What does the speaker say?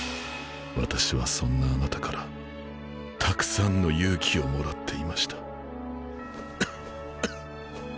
私はそんなあなたからたくさんの勇気をもらっていました